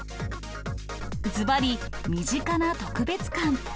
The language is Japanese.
ずばり、身近な特別感。